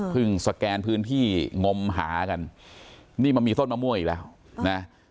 สแกนพื้นที่งมหากันนี่มันมีต้นมะม่วงอีกแล้วนะ